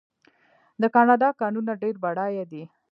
د کاناډا کانونه ډیر بډایه دي.